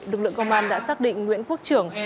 lực lượng công an đã xác định nguyễn quốc trưởng